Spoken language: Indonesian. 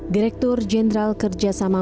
direktur jenderal kerjasama